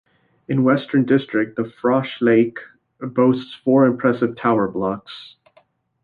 Its western district, the "Froschlache", boasts four impressive tower blocks.